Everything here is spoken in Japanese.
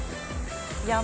山！